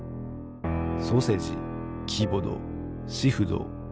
ソセジキボドシフド。